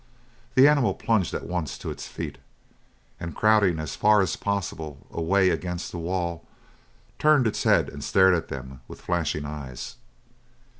The animal plunged at once to its feet, and crowding as far as possible away against the wall, turned its head and stared at them with flashing eyes.